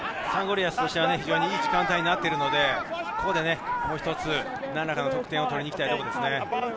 リアスとしては非常にいい時間帯になっているので、ここで一つなんらかの得点を取りに行きたいですね。